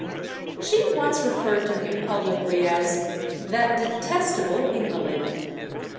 She once referred to him publicly as "that detest able invalid."